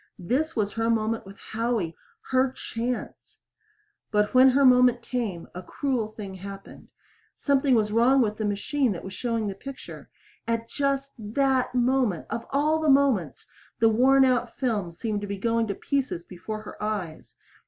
This was her moment with Howie her chance. But when her moment came, a cruel thing happened. Something was wrong with the machine that was showing the picture. At just that moment of all the moments! the worn out film seemed to be going to pieces before her eyes.